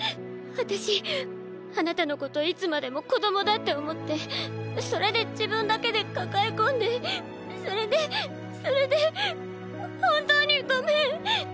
私あなたのこといつまでも子どもだって思ってそれで自分だけで抱え込んでそれでそれで本当にごめん。